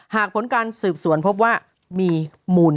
หากผลการสืบสวนพบว่ามีมูล